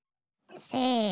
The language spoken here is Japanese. せの。